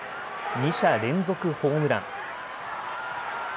２者連続ホームラン。